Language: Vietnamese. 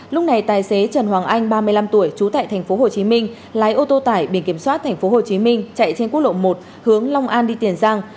lúc này tài xế trần hoàng anh ba mươi năm tuổi trú tại tp hcm lái ô tô tải biển kiểm soát tp hcm chạy trên quốc lộ một hướng long an đi tiền giang